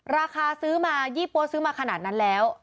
ราคาซื้อมายี่ปั๊วซื้อมาขนาดนั้นแล้ว